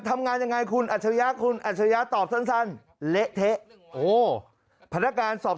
ทำงานยังไงคุณอัชยะคุณอัชยะตอบสั้นเละเทะพนักการณ์สอบ